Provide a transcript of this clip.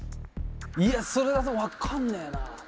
いやそれだと分かんねえな。